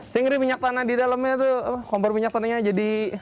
saya ngeri minyak tanah di dalamnya tuh kompor minyak tanahnya jadi